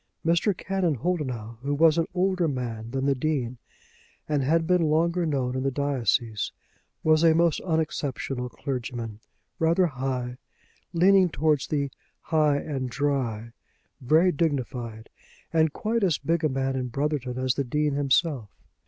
Mr. Canon Holdenough, who was an older man than the Dean, and had been longer known in the diocese, was a most unexceptional clergyman, rather high, leaning towards the high and dry, very dignified, and quite as big a man in Brotherton as the Dean himself.